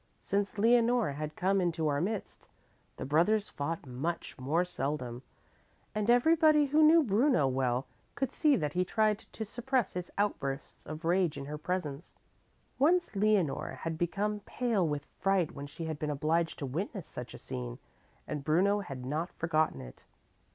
Since Leonore had come into our midst, the brothers fought much more seldom, and everybody who knew Bruno well could see that he tried to suppress his outbursts of rage in her presence. Once Leonore had become pale with fright when she had been obliged to witness such a scene, and Bruno had not forgotten it.